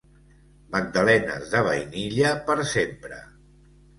Magdalenes de vainilla per sempre.